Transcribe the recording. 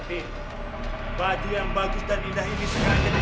tapi badu yang bagus dan indah ini sekarang jadi diri kita